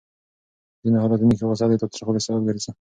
په ځینو حالتونو کې غوسه د تاوتریخوالي سبب ګرځي.